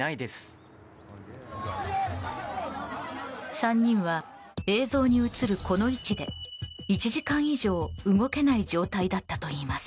３人は、映像に映るこの位置で１時間以上動けない状態だったといいます。